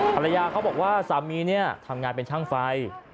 ภรรยาเขาบอกว่าสามีเนี่ยทำงานเป็นช่างไฟ